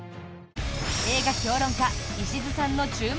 映画評論家、石津さんの注目